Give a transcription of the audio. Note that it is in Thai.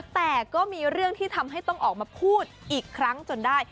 แต่ก็มีเรื่องที่ทำให้ต้องออกมาพูดอีกครั้งจนได้